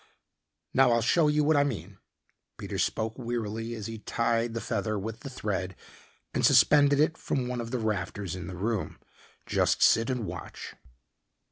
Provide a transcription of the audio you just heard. "Now I'll show you what I mean," Peter spoke wearily as he tied the feather with the thread and suspended it from one of the rafters in the room. "Just sit and watch."